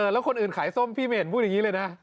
แล้วคนอื่นขายส้มพี่ไม่เห็นพูดอย่างนี้เลยนะ